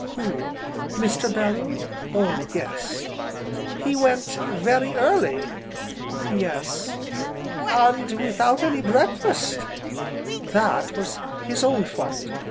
"Who Mr. Bellew? Oh yes!" "He went very early!" "Yes." "And without any breakfast!" "That was his own fault!"